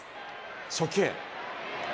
初球。